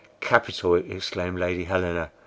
"Capital!" exclaimed Lady Helena.